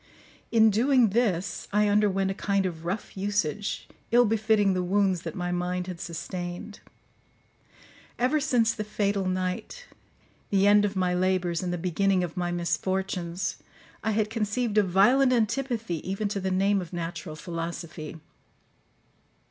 In doing this, I underwent a kind of rough usage, ill befitting the wounds that my mind had sustained. Ever since the fatal night, the end of my labours, and the beginning of my misfortunes, I had conceived a violent antipathy even to the name of natural philosophy.